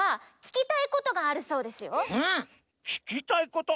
ききたいこと？